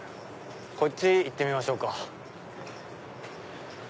こっち行ってみましょうか。